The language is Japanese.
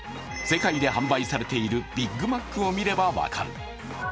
世界で販売されているビックマックを見れば分かる。